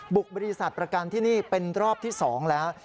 บริษัทประกันที่นี่เป็นรอบที่๒แล้ว